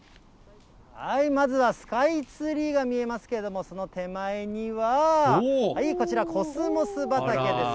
まずは、スカイツリーが見えますけども、その手前には、はい、こちら、コスモス畑です。